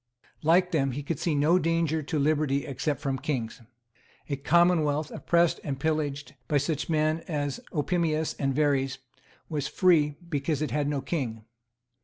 Like them, he could see no danger to liberty except from kings. A commonwealth, oppressed and pillaged by such men as Opimius and Verres, was free, because it had no king.